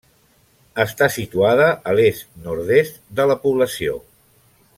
Està situada a l'est-nord-est de la població.